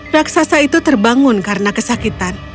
raksasa itu terbangun karena kesakitan